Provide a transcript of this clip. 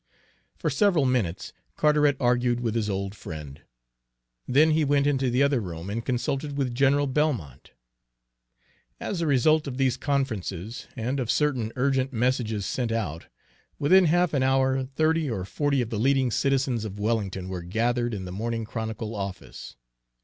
For several minutes Carteret argued with his old friend. Then he went into the other room and consulted with General Belmont. As a result of these conferences, and of certain urgent messages sent out, within half an hour thirty or forty of the leading citizens of Wellington were gathered in the Morning Chronicle office.